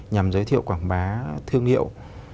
nhằm giới thiệu quảng bá thương hiệu